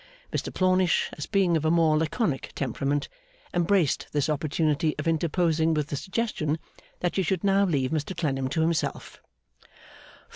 Mr Plornish, as being of a more laconic temperament, embraced this opportunity of interposing with the suggestion that she should now leave Mr Clennam to himself.